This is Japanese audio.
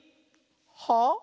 「はあ？」。